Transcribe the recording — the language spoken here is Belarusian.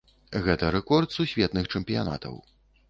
Гэта рэкорд сусветных чэмпіянатаў.